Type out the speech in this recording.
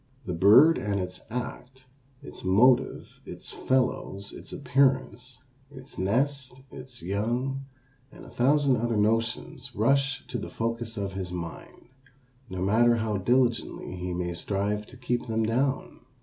The bird and its act, its motive, its fellows, its appearance, its nest, its young, and a thousand other notions rush to the focus of his mind, no matter how diligently he may strive to keep them down.